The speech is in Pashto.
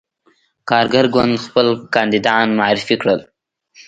کارګر ګوند خپل کاندیدان معرفي کړل.